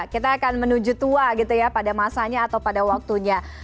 kita akan menuju tua gitu ya pada masanya atau pada waktunya